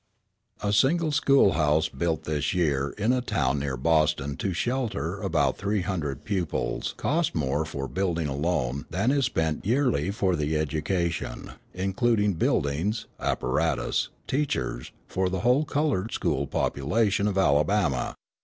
A single school house built this year in a town near Boston to shelter about three hundred pupils cost more for building alone than is spent yearly for the education, including buildings, apparatus, teachers, for the whole coloured school population of Alabama.